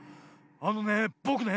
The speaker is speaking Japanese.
あのねぼくね